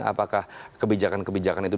apakah kebijakan kebijakan itu